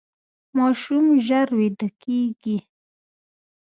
ماشوم ژر ویده کیږي.